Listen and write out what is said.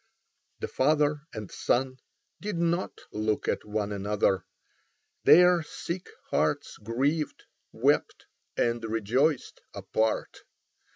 The father and son did not look at one another: their sick hearts grieved, wept, and rejoiced apart.